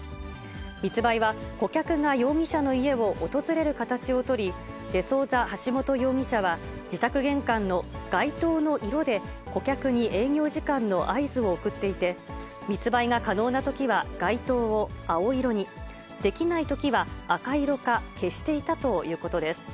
密売は、顧客が容疑者の家を訪れる形を取り、デ・ソウザ・ハシモト容疑者は、自宅玄関の外灯の色で顧客に営業時間の合図を送っていて、密売が可能なときは外灯を青色に、できないときは赤色か消していたということです。